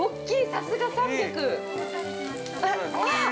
さすが３００。